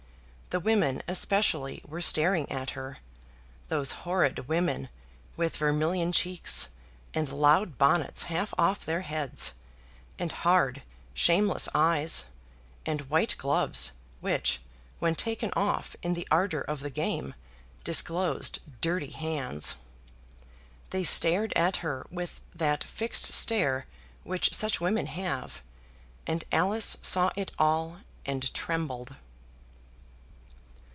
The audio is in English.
The women especially were staring at her, those horrid women with vermilion cheeks, and loud bonnets half off their heads, and hard, shameless eyes, and white gloves, which, when taken off in the ardour of the game, disclosed dirty hands. They stared at her with that fixed stare which such women have, and Alice saw it all, and trembled.